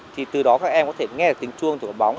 thì từ đó các em có thể nghe tính chuông của bóng